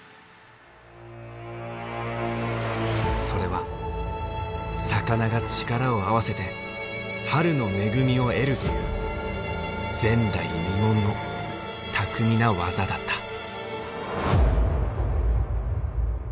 それは魚が力を合わせて春の恵みを得るという前代未聞の巧みな技だった。